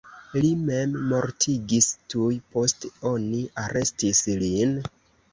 Li memmortigis tuj post oni arestis lin.